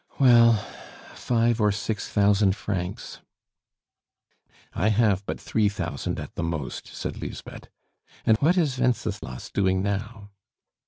"Well, five or six thousand francs." "I have but three thousand at the most," said Lisbeth. "And what is Wenceslas doing now?"